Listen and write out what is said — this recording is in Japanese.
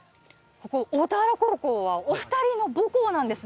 ここ大田原高校はお二人の母校なんですね。